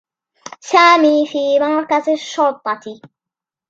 سامي في مركز الشّرطة.